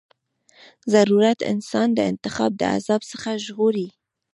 ضرورت انسان د انتخاب د عذاب څخه ژغوري.